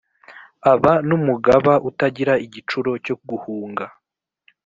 Aba n’ umugaba utagira igicuro cyo guhunga.